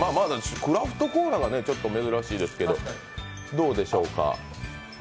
クラフトコーラがちょっと珍しいですけど、どうでしょうか？